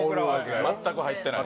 全く入ってない。